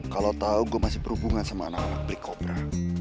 kalau tau gua masih berhubungan sama anak anak brikobra